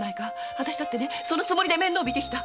私もそのつもりで面倒見てきた。